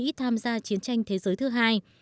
mỹ tham gia chiến tranh thế giới thứ hai